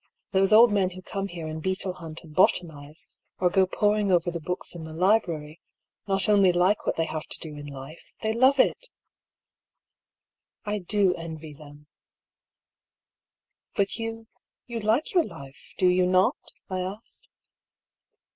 Those old men who come here and beetle hunt and botanise, or go poring over the books in the library, not only like what they have to do in life, they love it I do envy them." "But you — ^you like your life, do you not?" I asked.